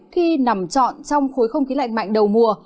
khi nằm trọn trong khối không khí lạnh mạnh đầu mùa